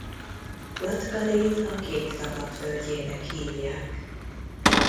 Latgalét a kék tavak földjének hívják.